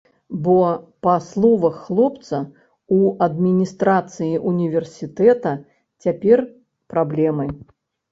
Бо, па словах хлопца, у адміністрацыі ўніверсітэта цяпер праблемы.